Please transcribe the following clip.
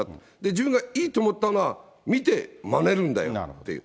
自分がいいと思ったのは、見てまねるんだよっていう。